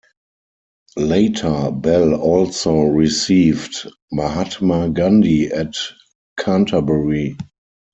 Later Bell also received Mahatma Gandhi at Canterbury.